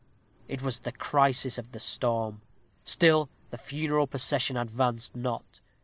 It was the crisis of the storm. Still the funeral procession advanced not.